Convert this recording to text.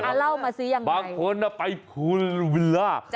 เอาเล่ามาสิยังไงบางคนไปภูลวิลล่า